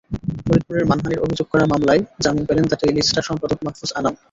ফরিদপুরে মানহানির অভিযোগে করা মামলায় জামিন পেলেন দ্য ডেইলি স্টার সম্পাদক মাহ্ফুজ আনাম।